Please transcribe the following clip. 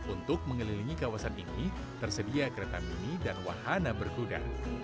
untuk mengelilingi kawasan ini tersedia kereta mini dan wahana berkuda